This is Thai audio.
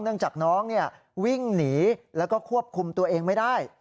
จากน้องวิ่งหนีแล้วก็ควบคุมตัวเองไม่ได้